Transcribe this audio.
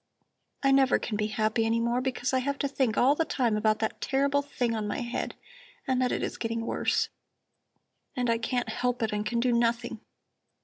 I never can be happy any more, because I have to think all the time about that terrible thing on my head, and that it is getting worse. And I can't help it and can do nothing.